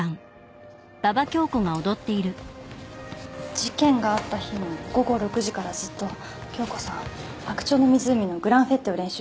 事件があった日の午後６時からずっと恭子さん『白鳥の湖』のグランフェッテを練習してました。